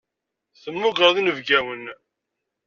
Temmugreḍ inebgiwen.